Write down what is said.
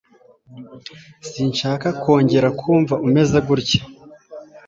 Sinshaka kongera kumva umeze gutya.